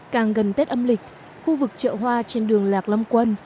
càng gần tết âm lịch khu vực chợ hoa trên đường lạc long quân